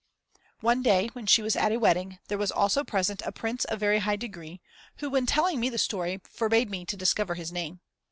One day, when she was at a wedding, there was also present a Prince of very high degree, who, when telling me the story, forbade me to discover his name.